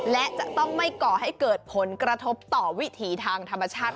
และจะต้องไม่ก่อให้เกิดผลกระทบต่อวิถีทางธรรมชาติ